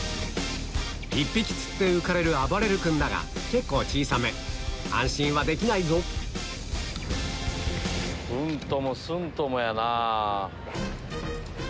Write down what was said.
１匹釣って浮かれるあばれる君だが結構小さめ安心はできないぞほんで。